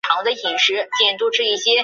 嘉庆元年赴千叟宴。